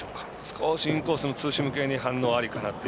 少しインコースのツーシーム系に反応ありかなと。